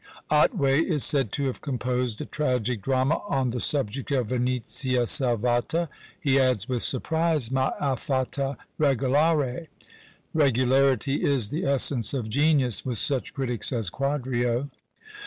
Otway is said to have composed a tragic drama on the subject of "Venezia Salvata;" he adds with surprise, "ma affatto regolare." Regularity is the essence of genius with such critics as Quadrio.